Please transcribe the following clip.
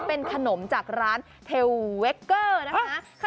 เป็นขนมจากร้านเทลเวคเกอร์นะคะ